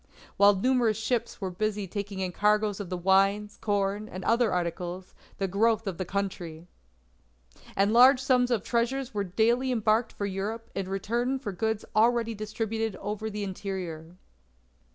While numerous ships were busy taking in cargoes of the wines, corn, and other articles, the growth of the country. "And large sums of treasures were daily embarked for Europe, in return for goods already distributed over the interior.